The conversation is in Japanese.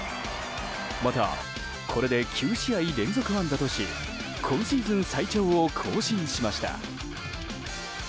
また、これで９試合連続安打とし今シーズン最長を更新しました。